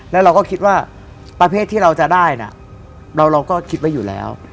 แล้วเราก็คิดว่าประเภทที่เราจะได้เราก็คิดไว้อยู่แล้ว